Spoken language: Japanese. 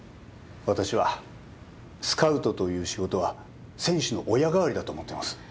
私はスカウトという仕事は選手の親代わりだと思っています